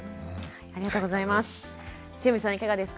ありがとうございます。